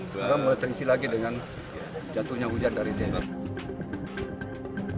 sudah mulai terisi lagi dengan jatuhnya hujan dari tempat